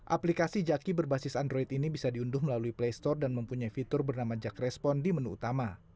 aplikasi jaki berbasis android ini bisa diunduh melalui play store dan mempunyai fitur bernama jak respon di menu utama